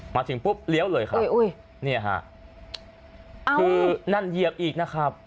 มาถึงปุ๊บเลี้ยวเลยครับเนี่ยฮะคือนั่นเหยียบอีกนะครับ